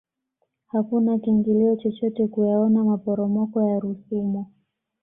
hakuna kiingilio chochote kuyaona maporomoko ya rusumo